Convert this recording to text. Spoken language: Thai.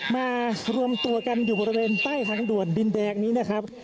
มารวมตัวกันอยู่บริเวณใต้ทางด่วนดินแดงนี้นะครับ